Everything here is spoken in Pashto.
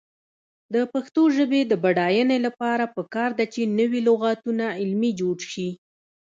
د پښتو ژبې د بډاینې لپاره پکار ده چې نوي لغتونه علمي جوړ شي.